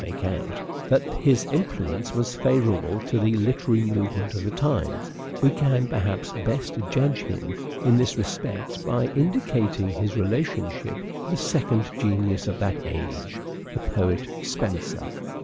make out that his influence was favourable to the literary movement of the times, we can, perhaps, best judge him in this respect by indicating his relationship to the second genius of that age, the poet Spenser.